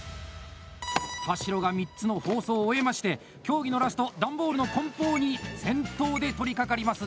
田代が３つの包装を終えまして競技のラスト、段ボールの梱包に先頭で取りかかります！